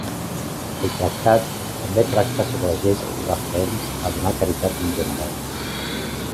El tractat també tracta sobre les lleis referents a donar caritat en general.